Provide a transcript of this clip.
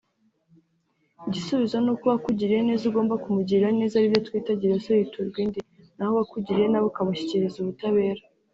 Igisubizo nuko uwakugiriye neza ugomba kumugirira neza aribyo twita “Gira so yiturwa indi” naho uwakugiriye nabi ukamushyikiriza ubutabera